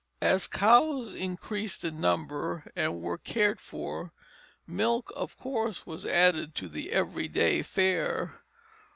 As cows increased in number and were cared for, milk of course was added to the every day fare.